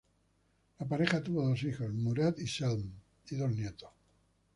La pareja tuvo dos hijos, Murat y Selim, y dos nietos.